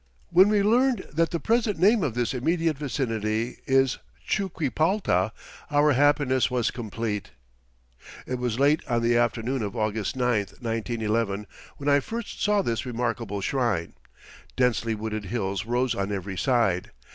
When we learned that the present name of this immediate vicinity is Chuquipalta our happiness was complete. It was late on the afternoon of August 9, 1911, when I first saw this remarkable shrine. Densely wooded hills rose on every side.